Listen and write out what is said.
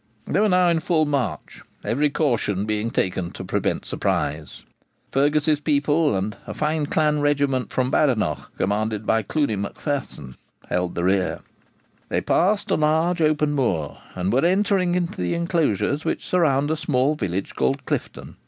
They were now in full march, every caution being taken to prevent surprise. Fergus's people, and a fine clan regiment from Badenoch, commanded by Cluny Mac Pherson, had the rear. They had passed a large open moor, and were entering into the enclosures which surround a small village called Clifton.